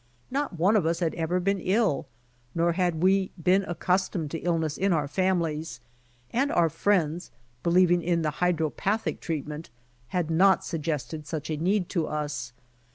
Not one of us had ever been ill, nor had we been accustomled to illness in our families, and our friends believing in the hydropathic treatment, had not suggested such a need to us.